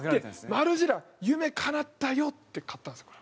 マルジェラ夢かなったよ！って買ったんですよ